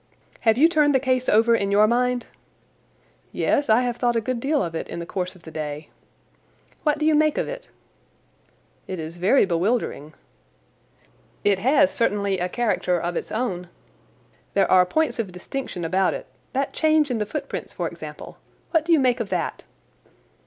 Have you turned the case over in your mind?" "Yes, I have thought a good deal of it in the course of the day." "What do you make of it?" "It is very bewildering." "It has certainly a character of its own. There are points of distinction about it. That change in the footprints, for example. What do you make of that?"